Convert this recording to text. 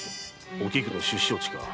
おきくの出生地か。